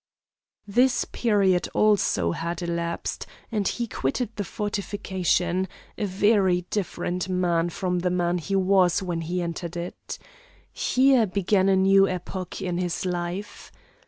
This period also had elapsed, and he quitted the fortification, a very different man from the man he was when he entered it. Here began a new epoch in his life.